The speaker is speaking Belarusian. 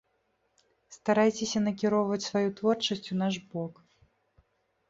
Старайцеся накіроўваць сваю творчасць у наш бок.